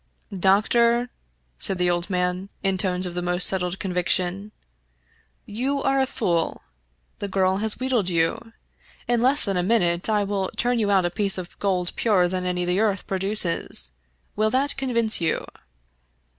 " Doctor," said the old man, in tones of the most settled conviction, " you are a fool. The girl has wheedled you. In less than a minute I will turn you out a piece of gold purer than any the earth produces. Will that convince you?"